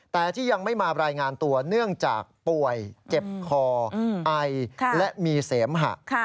แต่ที่ยังไม่มารายงานตัวเนื่องจากป่วยเจ็บคอไอและมีเสมหะ